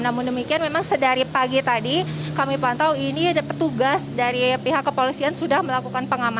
namun demikian memang sedari pagi tadi kami pantau ini petugas dari pihak kepolisian sudah melakukan pengamanan